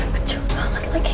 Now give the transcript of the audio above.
kejauhan banget lagi